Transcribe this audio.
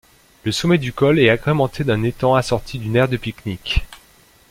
Le sommet du col est agrémenté d'un étang assorti d'une aire de pique-nique.